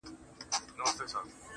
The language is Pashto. كه ملاقات مو په همدې ورځ وسو.